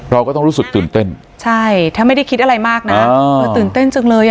เราก็ต้องรู้สึกตื่นเต้นใช่ถ้าไม่ได้คิดอะไรมากนะตื่นเต้นจังเลยอ่ะ